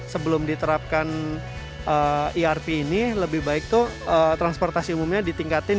sebelum diterapkan erp ini lebih baik tuh transportasi umumnya ditingkatin